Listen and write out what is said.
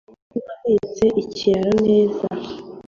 Nkawe wabitse ikiraro neza